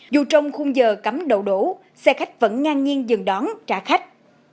dù trong khung giờ cấm đậu đổ xe khách vẫn ngang nhiên dừng đón trả khách